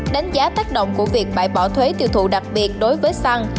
đánh giá tác động của việc bãi bỏ thuế tiêu thụ đặc biệt đối với xăng